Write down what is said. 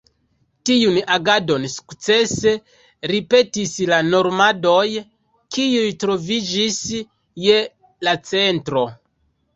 Tiun agadon sukcese ripetis la normandoj, kiuj troviĝis je la centro.